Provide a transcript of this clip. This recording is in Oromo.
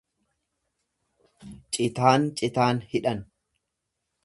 Citaan citaan hidhan.